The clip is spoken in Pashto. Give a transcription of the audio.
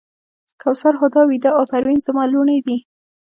کوثر، هُدا، ویدا او پروین زما لوڼې دي.